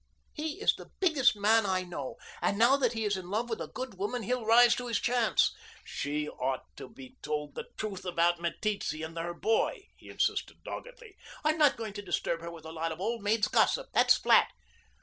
He is the biggest man I know, and now that he is in love with a good woman he'll rise to his chance." "She ought to be told the truth about Meteetse and her boy," he insisted doggedly. "I'm not going to disturb her with a lot of old maids' gossip. That's flat."